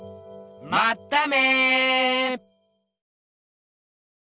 まっため！